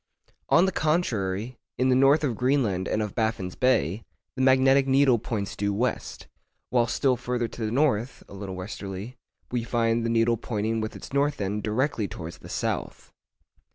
On the contrary, in the north of Greenland and of Baffin's Bay, the magnetic needle points due west; while still further to the north (a little westerly), we find the needle pointing with its north end directly towards the south.